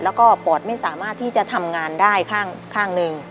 แล้วก็ปอดไม่สามารถที่จะทำงานได้ข้างหนึ่ง